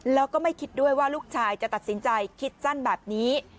แล้วก็ไม่คิดด้วยว่าลูกชายจะตัดสินใจคิดสั้นแบบนี้